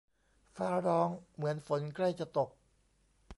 ฟ้าร้องเหมือนฝนใกล้จะตก